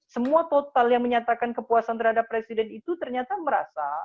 semua total yang menyatakan kepuasan terhadap presiden itu ternyata merasa